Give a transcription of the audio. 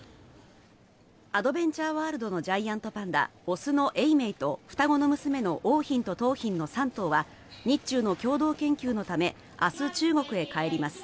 アドベンチャーワールドのジャイアントパンダ雄の永明と双子の娘の桜浜と桃浜の３頭は日中の共同研究のため明日、中国へ帰ります。